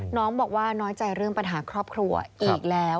น้องบอกว่าน้อยใจเรื่องปัญหาครอบครัวอีกแล้ว